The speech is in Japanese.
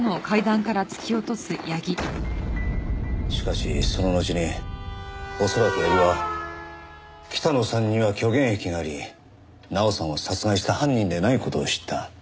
しかしそののちに恐らく矢木は北野さんには虚言癖があり奈緒さんを殺害した犯人ではない事を知った。